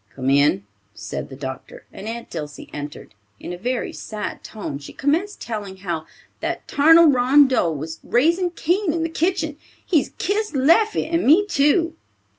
"Come in," said the doctor, and Aunt Dilsey entered. In a very sad tone, she commenced telling how "that 'tarnal Rondeau was raising Cain in the kitchen. He's kissed Leffie, and me too!"